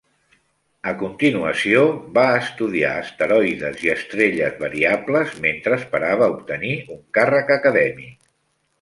A continuació, va estudiar asteroides i estrelles variables, mentre esperava obtenir un càrrec acadèmic.